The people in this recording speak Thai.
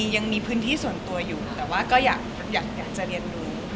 ยังมีพื้นที่ส่วนตัวอยู่แต่ว่าก็อยากจะเรียนรู้